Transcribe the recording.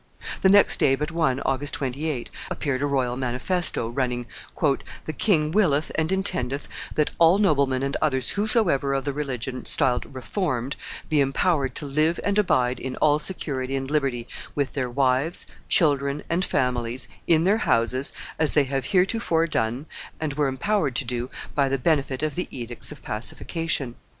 The next day but one, August 28, appeared a royal manifesto running, "The king willeth and intendeth that all noblemen and others whosoever of the religion styled Reformed be empowered to live and abide in all security and liberty, with their wives, children, and families, in their houses, as they have heretofore done and were empowered to do by benefit of the edicts of pacification.